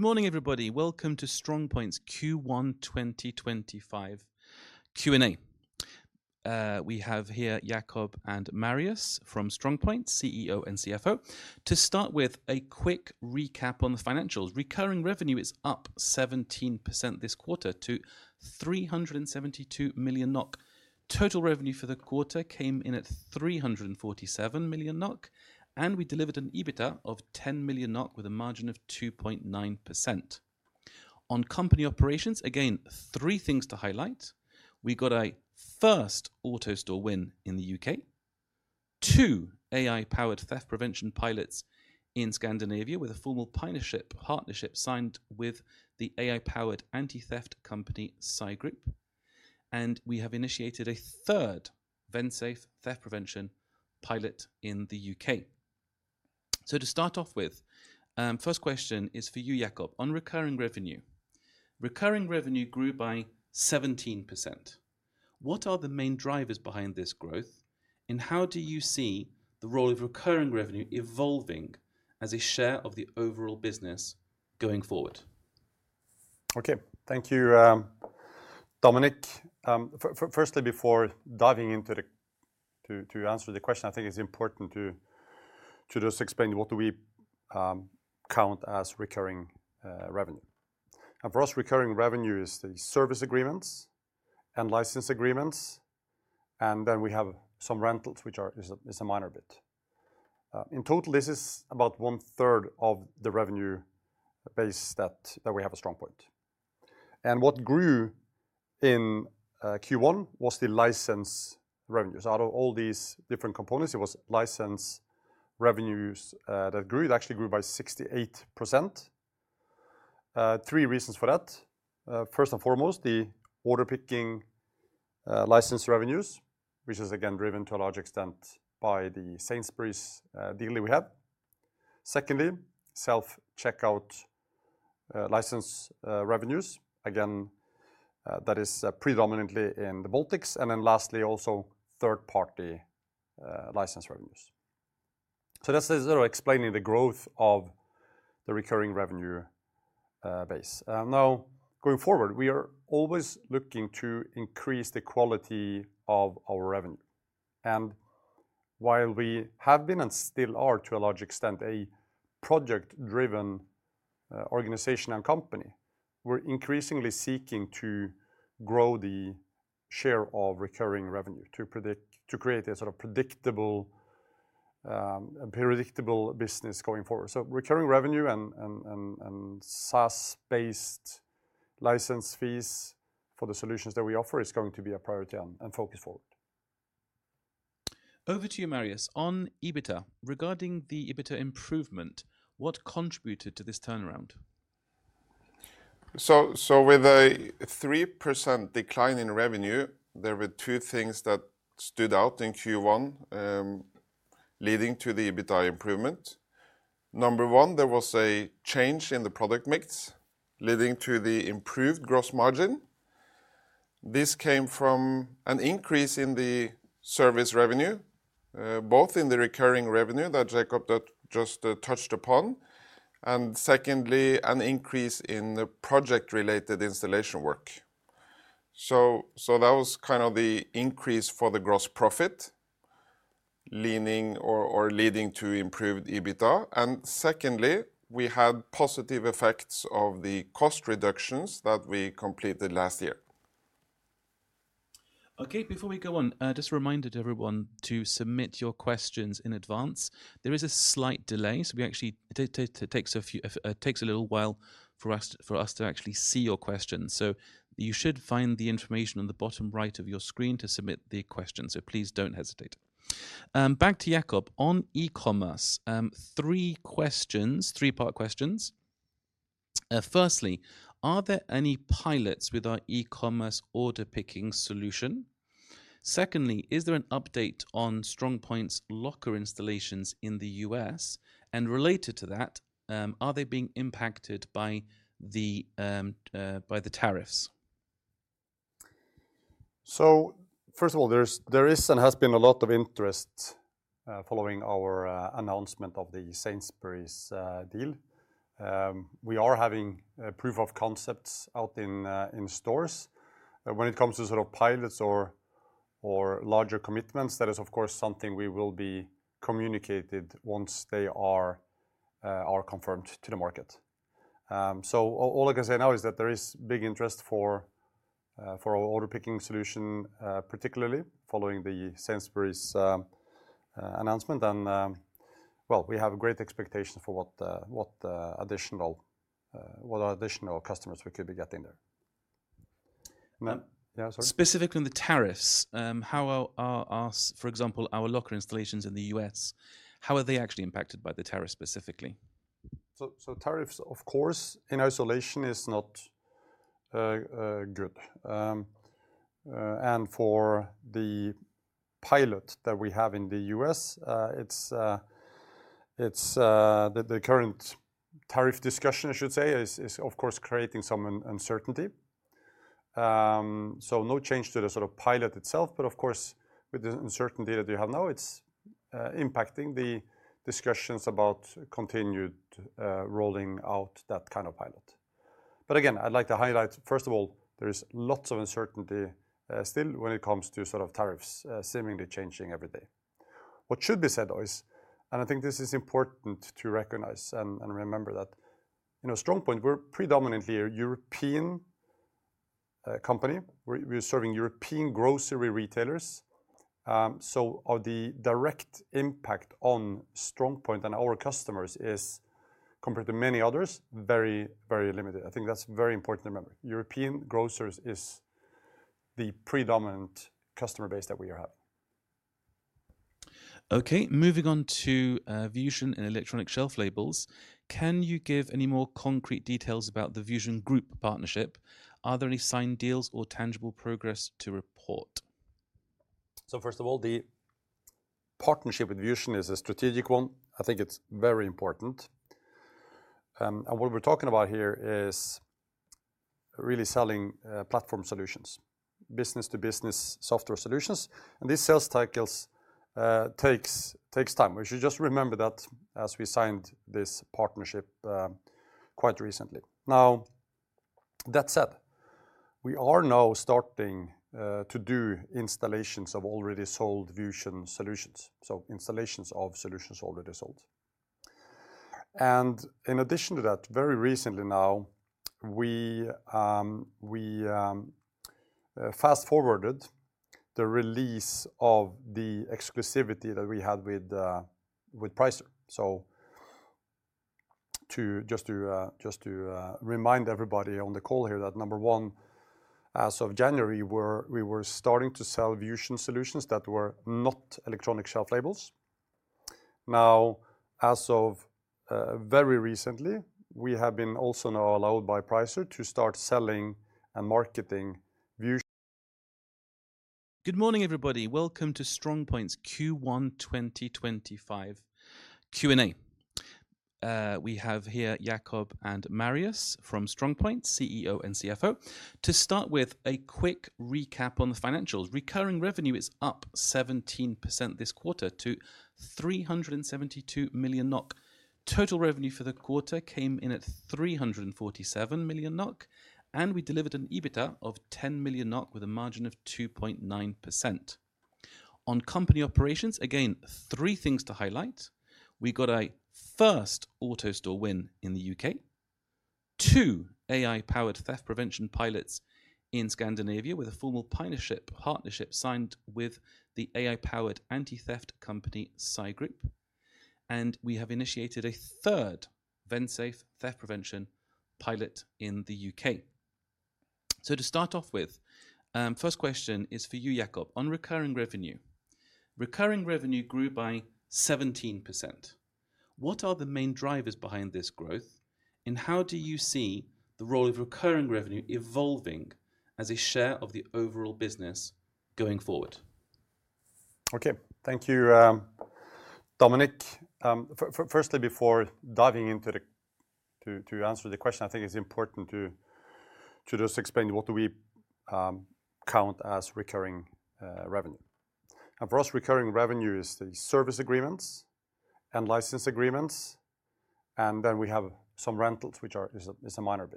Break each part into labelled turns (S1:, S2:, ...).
S1: Good morning, everybody. Welcome to StrongPoint's Q1 2025 Q&A. We have here Jacob and Marius from StrongPoint, CEO and CFO. To start with, a quick recap on the financials. Recurring revenue is up 17% this quarter to 372 million NOK. Total revenue for the quarter came in at 347 million NOK, and we delivered an EBITDA of 10 million NOK with a margin of 2.9%. On company operations, again, three things to highlight. We got a first auto store win in the U.K., two AI-powered theft prevention pilots in Scandinavia with a formal partnership signed with the AI-powered anti-theft company SAI Group, and we have initiated a third Vensafe theft prevention pilot in the U.K. To start off with, first question is for you, Jacob. On recurring revenue, recurring revenue grew by 17%. What are the main drivers behind this growth, and how do you see the role of recurring revenue evolving as a share of the overall business going forward?
S2: Okay, thank you, Dominic. Firstly, before diving into the answer to the question, I think it's important to just explain what do we count as recurring revenue. For us, recurring revenue is the service agreements and license agreements, and then we have some rentals, which is a minor bit. In total, this is about one-third of the revenue base that we have at StrongPoint. What grew in Q1 was the license revenues. Out of all these different components, it was license revenues that grew. It actually grew by 68%. Three reasons for that. First and foremost, the order picking license revenues, which is again driven to a large extent by the Sainsbury's deal we have. Secondly, self-checkout license revenues. That is predominantly in the Baltics. Lastly, also third-party license revenues. That is sort of explaining the growth of the recurring revenue base. Now, going forward, we are always looking to increase the quality of our revenue. While we have been and still are to a large extent a project-driven organization and company, we're increasingly seeking to grow the share of recurring revenue to create a sort of predictable business going forward. Recurring revenue and SaaS-based license fees for the solutions that we offer is going to be a priority and focus forward.
S1: Over to you, Marius. On EBITDA, regarding the EBITDA improvement, what contributed to this turnaround?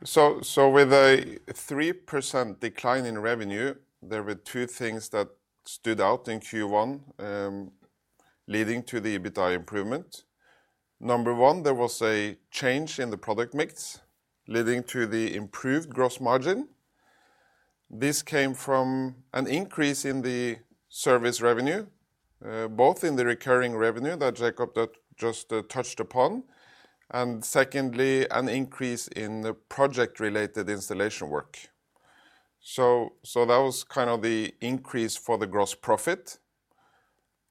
S3: With a 3% decline in revenue, there were two things that stood out in Q1 leading to the EBITDA improvement. Number one, there was a change in the product mix leading to the improved gross margin. This came from an increase in the service revenue, both in the recurring revenue that Jacob just touched upon, and secondly, an increase in the project-related installation work. That was kind of the increase for the gross profit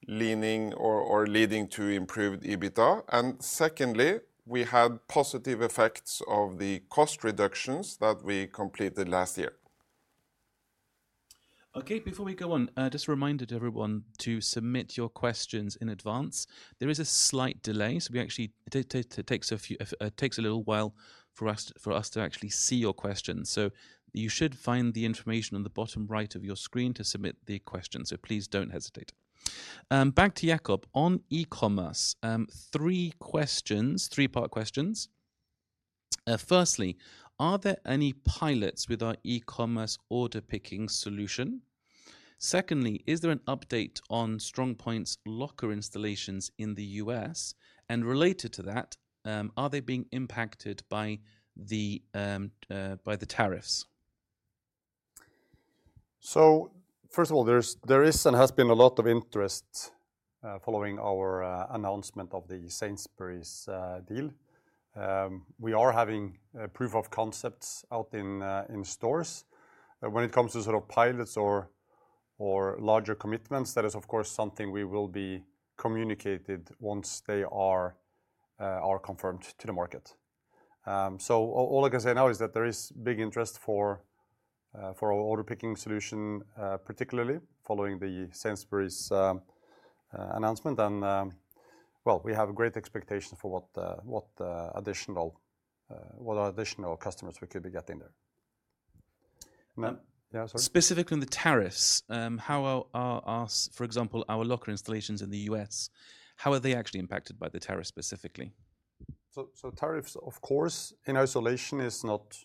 S3: leaning or leading to improved EBITDA. Secondly, we had positive effects of the cost reductions that we completed last year.
S1: Okay, before we go on, just a reminder to everyone to submit your questions in advance. There is a slight delay, so it takes a little while for us to actually see your questions. You should find the information on the bottom right of your screen to submit the questions. Please do not hesitate. Back to Jacob. On e-commerce, three questions, three-part questions. Firstly, are there any pilots with our e-commerce order picking solution? Secondly, is there an update on StrongPoint's locker installations in the U.S.? Related to that, are they being impacted by the tariffs?
S2: First of all, there is and has been a lot of interest following our announcement of the Sainsbury's deal. We are having Proof of Concepts out in stores. When it comes to sort of pilots or larger commitments, that is, of course, something we will be communicated once they are confirmed to the market. All I can say now is that there is big interest for our order picking solution, particularly following the Sainsbury's announcement. We have great expectations for what additional customers we could be getting there.
S1: Specifically on the tariffs, how are, for example, our locker installations in the U.S., how are they actually impacted by the tariffs specifically?
S2: Tariffs, of course, in isolation is not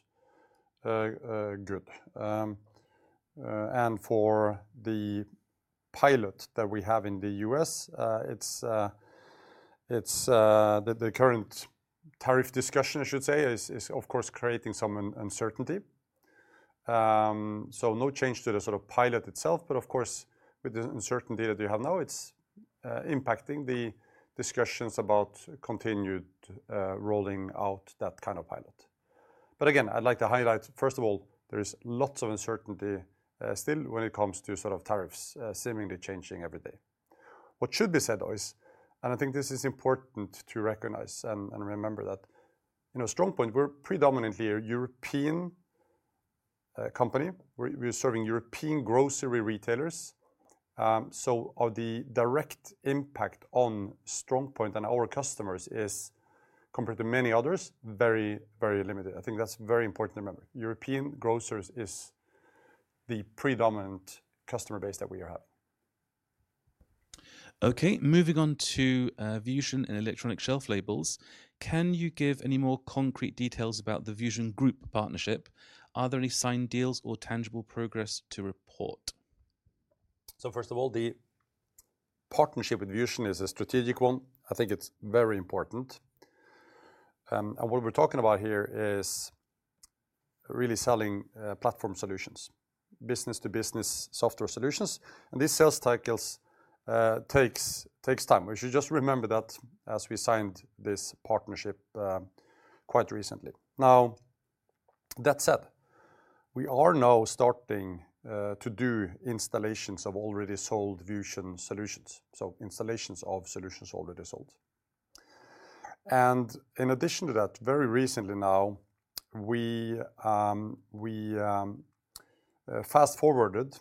S2: good. For the pilot that we have in the U.S., the current tariff discussion, I should say, is of course creating some uncertainty. No change to the sort of pilot itself, but of course, with the uncertainty that you have now, it's impacting the discussions about continued rolling out that kind of pilot. Again, I'd like to highlight, first of all, there is lots of uncertainty still when it comes to sort of tariffs seemingly changing every day. What should be said, though, is, take time. We should just remember that as we signed this partnership quite recently. That said, we are now starting to do installations of already sold Vusion solutions, so installations of solutions already sold. In addition to that, very recently now, we fast-forwarded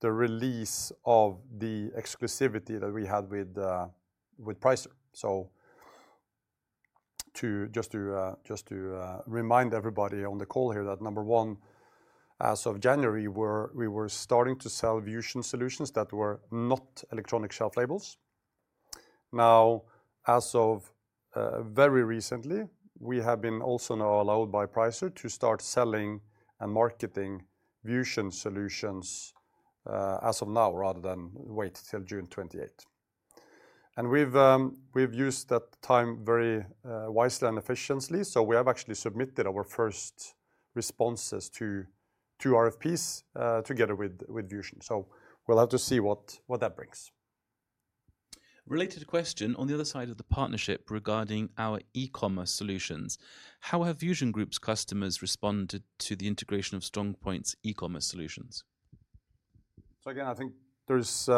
S2: the release of the exclusivity that we had with Pricer. Just to remind everybody on the call here that number one, as of January, we were starting to sell Vusion solutions that were not electronic shelf labels. Now, as of very recently, we have been also now allowed by Pricer to start selling and marketing Vusion solutions as of now rather than wait till June 28. We have used that time very wisely and efficiently. We have actually submitted our first responses to RFPs together with Vusion. We will have to see what that brings.
S1: Related question on the other side of the partnership regarding our e-commerce solutions. How have Vusion Group's customers responded to the integration of StrongPoint's e-commerce solutions?
S2: I think there's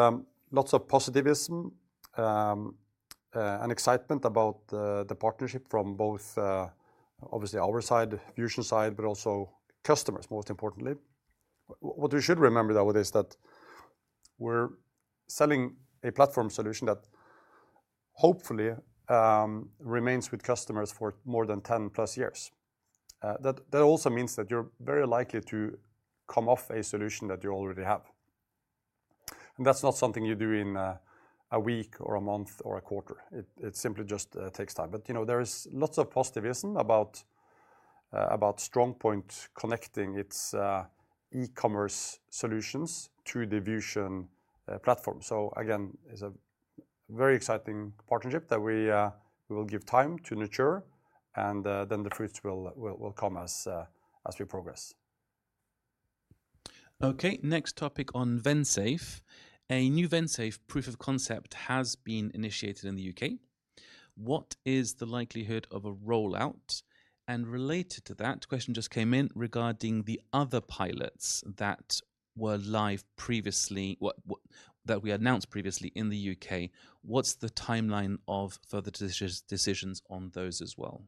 S2: lots of positivism and excitement about the partnership from both, obviously, our side, Vusion side, but also customers, most importantly. What we should remember, though, is that we're selling a platform solution that hopefully remains with customers for more than 10+ years. That also means that you're very likely to come off a solution that you already have. That's not something you do in a week or a month or a quarter. It simply just takes time. There is lots of positivism about StrongPoint connecting its e-commerce solutions to the Vusion platform. It's a very exciting partnership that we will give time to mature, and then the fruits will come as we progress.
S1: Okay, next topic on Vensafe. A new Vensafe proof of concept has been initiated in the U.K. What is the likelihood of a rollout? Related to that, a question just came in regarding the other pilots that were live previously, that we announced previously in the U.K. What is the timeline of further decisions on those as well?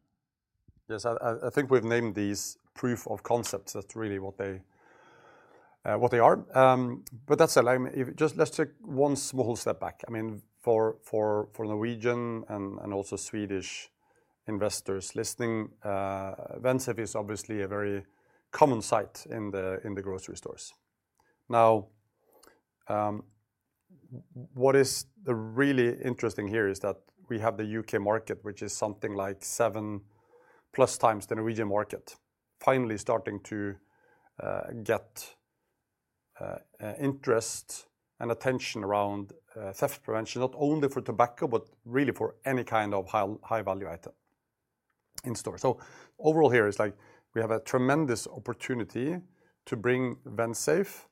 S2: Yes, I think we've named these Proof of Concepts. That's really what they are. That said, let's take one small step back. I mean, for Norwegian and also Swedish investors listening, Vensafe is obviously a very common site in the grocery stores. Now, what is really interesting here is that we have the U.K. market, which is something 7+x the Norwegian market, finally starting to get interest and attention around theft prevention, not only for tobacco, but really for any kind of high-value item in stores. Overall here, it's like we have a tremendous opportunity to bring Vensafe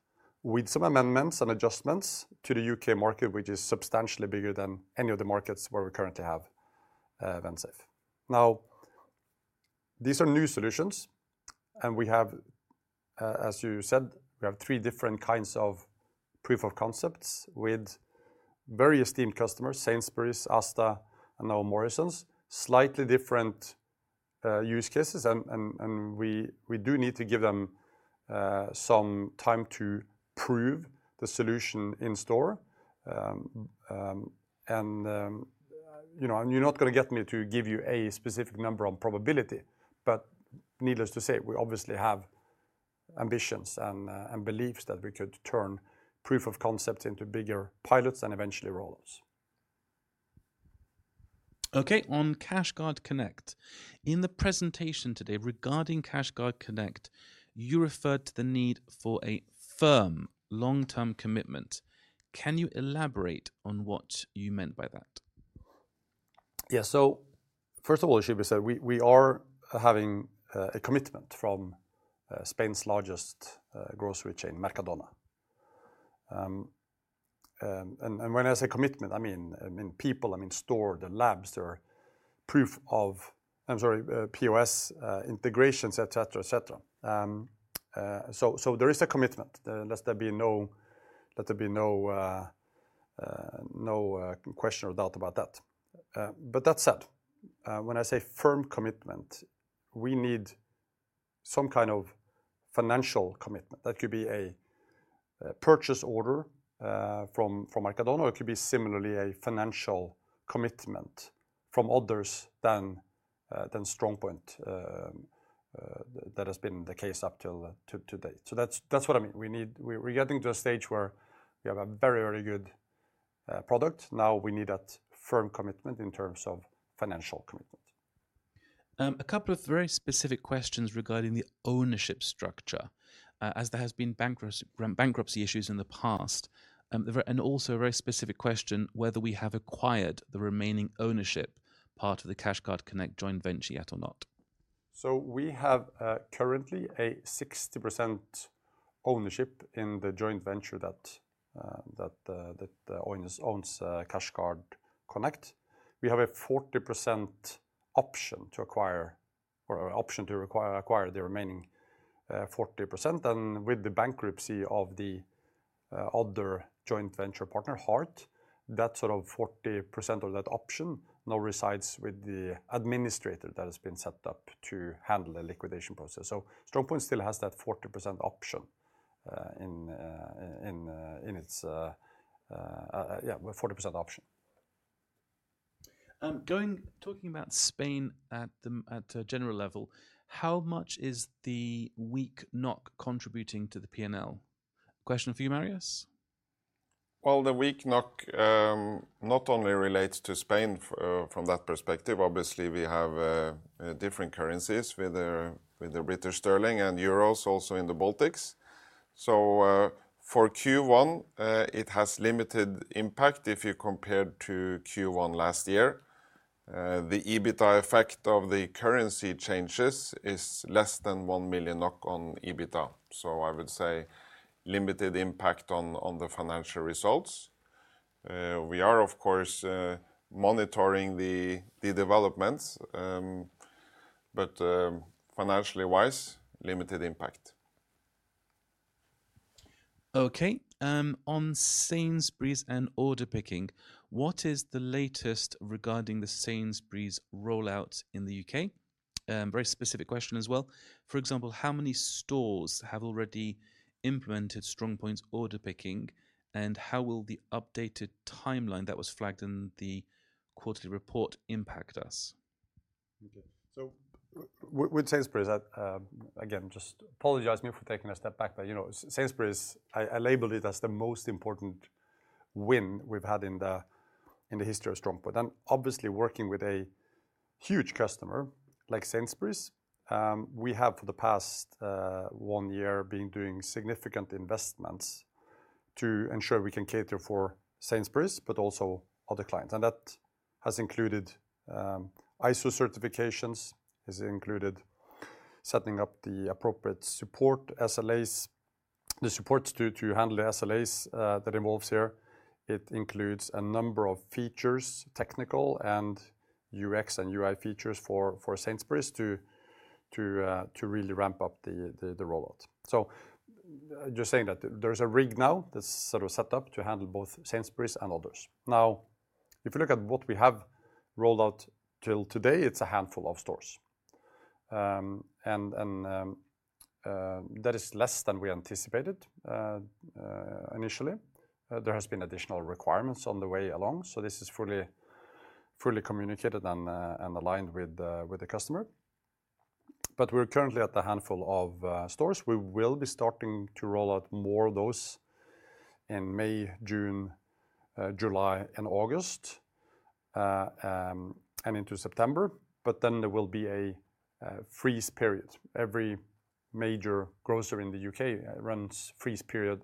S2: with some amendments and adjustments to the U.K. market, which is substantially bigger than any of the markets where we currently have Vensafe. Now, these are new solutions, and we have, as you said, we have three different kinds of Proof of Concepts with very esteemed customers, Sainsbury's, Asda, and now Morrisons, slightly different use cases. We do need to give them some time to prove the solution in store. You are not going to get me to give you a specific number on probability, but needless to say, we obviously have ambitions and beliefs that we could turn Proof of Concepts into bigger pilots and eventually rollouts.
S1: Okay, on CashGuard Connect. In the presentation today regarding CashGuard Connect, you referred to the need for a firm long-term commitment. Can you elaborate on what you meant by that?
S2: Yeah, first of all, it should be said, we are having a commitment from Spain's largest grocery chain, Mercadona. When I say commitment, I mean people, I mean store, the labs, their proof of, I'm sorry, POS integrations, et cetera, et cetera. There is a commitment. Let there be no question or doubt about that. That said, when I say firm commitment, we need some kind of financial commitment. That could be a purchase order from Mercadona. It could be similarly a financial commitment from others than StrongPoint that has been the case up till today. That's what I mean. We're getting to a stage where we have a very, very good product. Now we need that firm commitment in terms of financial commitment.
S1: A couple of very specific questions regarding the ownership structure. As there have been bankruptcy issues in the past, and also a very specific question whether we have acquired the remaining ownership part of the CashGuard Connect joint venture yet or not.
S2: We have currently a 60% ownership in the joint venture that owns CashGuard Connect. We have a 40% option to acquire or an option to acquire the remaining 40%. With the bankruptcy of the other joint venture partner, HART, that sort of 40% of that option now resides with the administrator that has been set up to handle the liquidation process. StrongPoint still has that 40% option in its 40% option.
S1: Talking about Spain at a general level, how much is the weak NOK contributing to the P&L? Question for you, Marius.
S3: The weak NOK not only relates to Spain from that perspective. Obviously, we have different currencies with the British sterling and euros also in the Baltics. For Q1, it has limited impact if you compare to Q1 last year. The EBITDA effect of the currency changes is less than 1 million NOK on EBITDA. I would say limited impact on the financial results. We are, of course, monitoring the developments, but financially wise, limited impact.
S1: Okay, on Sainsbury's and order picking, what is the latest regarding the Sainsbury's rollout in the U.K.? Very specific question as well. For example, how many stores have already implemented StrongPoint's order picking, and how will the updated timeline that was flagged in the quarterly report impact us?
S2: With Sainsbury's, again, just apologize me for taking a step back, but Sainsbury's, I labeled it as the most important win we've had in the history of StrongPoint. Obviously, working with a huge customer like Sainsbury's, we have for the past one year been doing significant investments to ensure we can cater for Sainsbury's, but also other clients. That has included ISO certifications, has included setting up the appropriate support SLAs, the supports to handle the SLAs that involves here. It includes a number of features, technical and UX and UI features for Sainsbury's to really ramp up the rollout. Just saying that there's a rig now that's sort of set up to handle both Sainsbury's and others. Now, if you look at what we have rolled out till today, it's a handful of stores. That is less than we anticipated initially. There have been additional requirements on the way along. This is fully communicated and aligned with the customer. We are currently at a handful of stores. We will be starting to roll out more of those in May, June, July, and August, and into September. There will be a freeze period. Every major grocer in the U.K. runs a freeze period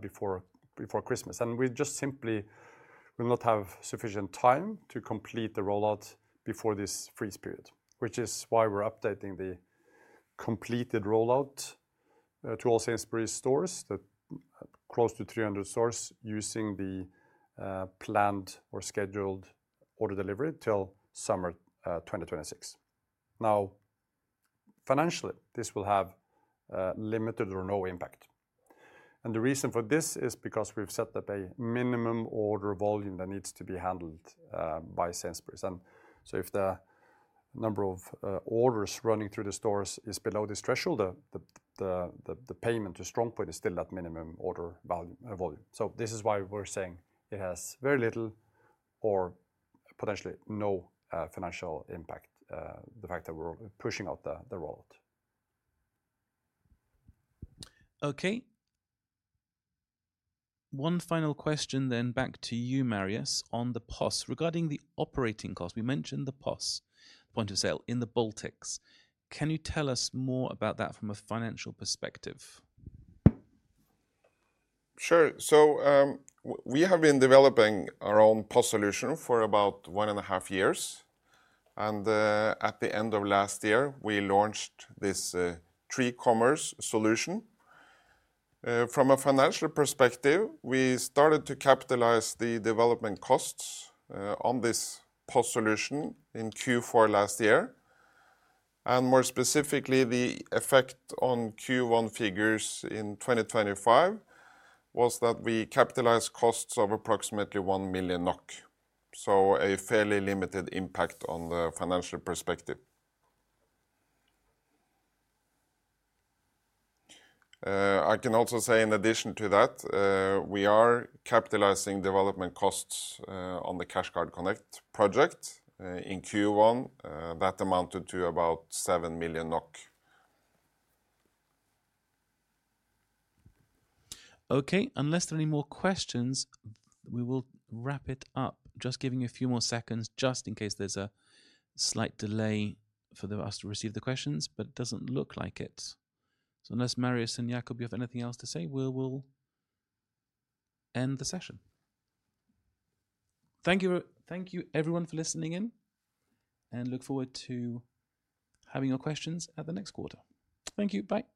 S2: before Christmas. We simply will not have sufficient time to complete the rollout before this freeze period, which is why we are updating the completed rollout to all Sainsbury's stores, close to 300 stores, using the planned or scheduled order delivery till summer 2026. Financially, this will have limited or no impact. The reason for this is because we have set up a minimum order volume that needs to be handled by Sainsbury's. If the number of orders running through the stores is below this threshold, the payment to StrongPoint is still at minimum order volume. This is why we're saying it has very little or potentially no financial impact, the fact that we're pushing out the rollout.
S1: Okay. One final question then back to you, Marius, on the POS regarding the operating cost. We mentioned the POS, point of sale in the Baltics. Can you tell us more about that from a financial perspective?
S3: Sure. We have been developing our own POS solution for about 1.5 years. At the end of last year, we launched this TreeCommerce solution. From a financial perspective, we started to capitalize the development costs on this POS solution in Q4 last year. More specifically, the effect on Q1 figures in 2025 was that we capitalized costs of approximately 1 million NOK. A fairly limited impact on the financial perspective. I can also say in addition to that, we are capitalizing development costs on the CashGuard Connect project in Q1. That amounted to about 7 million NOK.
S1: Okay, unless there are any more questions, we will wrap it up. Just giving you a few more seconds just in case there is a slight delay for us to receive the questions, but it does not look like it. Unless Marius and Jacob, you have anything else to say, we will end the session. Thank you, everyone, for listening in, and look forward to having your questions at the next quarter. Thank you. Bye.